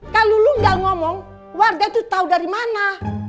kalau lu gak ngomong wardah itu tau dari mana